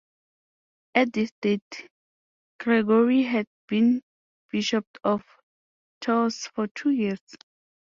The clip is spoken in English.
At this date Gregory had been bishop of Tours for two years.